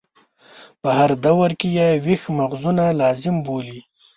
په هر دور کې یې ویښ مغزونه لازم بولي.